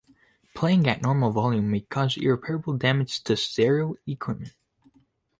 Playing at normal volume may cause irreparable damage to stereo equipment.